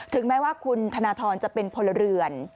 แม้ว่าคุณธนทรจะเป็นพลเรือน